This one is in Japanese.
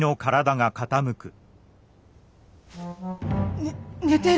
ね寝てる！